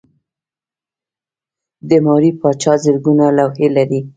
د ماري پاچا زرګونه لوحې لرلې.